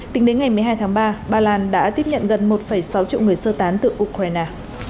tính đến ngày một mươi hai tháng ba ba lan đã tiếp nhận gần một sáu triệu người sơ tán từ ukraine